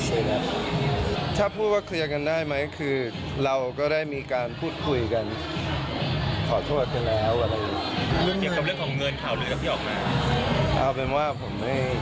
เอาเป็นว่าผมไม่เข้าดีเทียม